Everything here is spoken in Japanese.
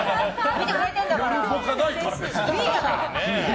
見てくれてるんだから！